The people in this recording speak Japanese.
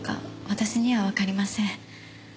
私にはわかりません。